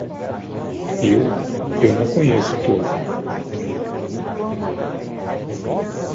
Eu? eu não conheço tua avó.